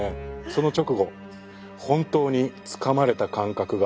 その直後本当につかまれた感覚があるんですよ。